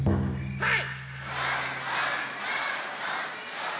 はい！